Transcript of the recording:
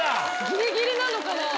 ギリギリなのかな？